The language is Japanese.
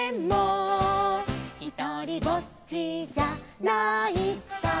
「ひとりぼっちじゃないさ」